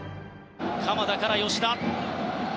鎌田から吉田。